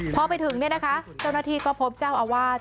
พอไปถึงเนี่ยนะคะเจ้าหน้าที่ก็พบเจ้าอาวาส